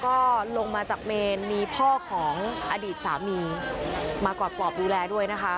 ก็ลงมาจากเมนมีพ่อของอดีตสามีมากอดกรอบดูแลด้วยนะคะ